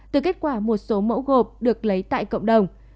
từ kết quả một số mẫu gộp được lấy tại cộng đồng